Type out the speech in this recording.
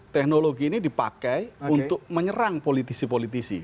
teknologi ini dipakai untuk menyerang politisi politisi